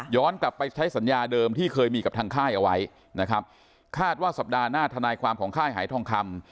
กลับไปใช้สัญญาเดิมที่เคยมีกับทางค่ายเอาไว้นะครับคาดว่าสัปดาห์หน้าทนายความของค่ายหายทองคำ